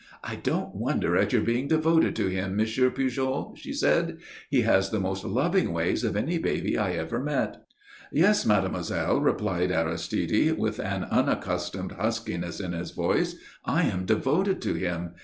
"I don't wonder at your being devoted to him, M. Pujol," she said. "He has the most loving ways of any baby I ever met." "Yes, mademoiselle," replied Aristide, with an unaccustomed huskiness in his voice, "I am devoted to him.